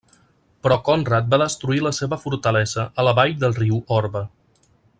Però Conrad va destruir la seva fortalesa a la vall del riu Orba.